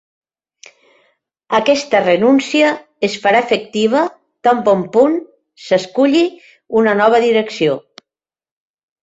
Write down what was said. Aquesta renúncia es farà efectiva tan bon punt s’esculli una nova direcció.